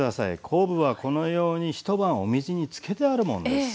昆布はこのように一晩お水につけてあるものです。